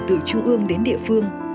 từ chư ương đến địa phương